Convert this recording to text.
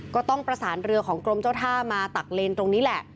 ก็ต้องประสานเรือของกรมเจ้าท่ามาตักเลนตรงนี้แหละ